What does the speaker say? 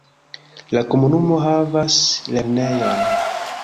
La komunumo havas lernejon.